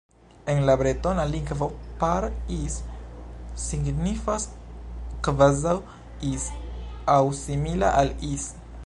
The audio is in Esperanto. En la bretona lingvo "Par Is" signifas "kvazaŭ Is" aŭ "simila al Is".